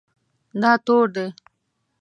دا تور دی